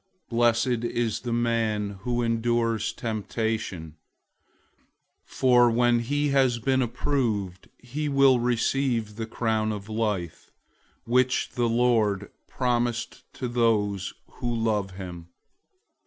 001:012 Blessed is the man who endures temptation, for when he has been approved, he will receive the crown of life, which the Lord promised to those who love him.